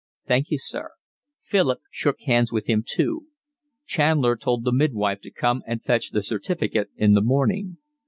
"Thank you, sir." Philip shook hands with him too. Chandler told the midwife to come and fetch the certificate in the morning.